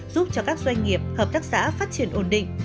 giúp cho các doanh nghiệp hợp tác xã phát triển ổn định